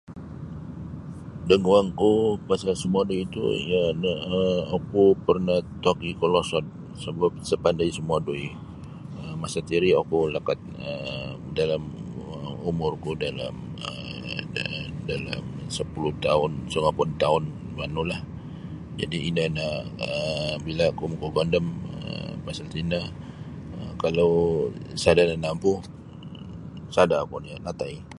Daguangku pasal sumodoi tu iyo no um oku parnah toki' kolosod sabap sa' pandai sumodoi masa tiri oku lakat um dalam umurku dalam um dalam sapuluh toun sangopod toun manulah jadi' ino nio um bila oku makagondom um pasal tino kalau sada' nanampu sada' oku nio natai.